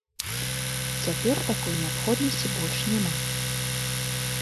Цяпер такой неабходнасці больш няма.